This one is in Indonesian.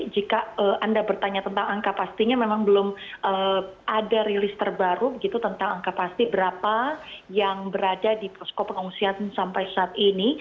jika anda bertanya tentang angka pastinya memang belum ada rilis terbaru begitu tentang angka pasti berapa yang berada di posko pengungsian sampai saat ini